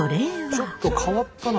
ちょっと変わったな。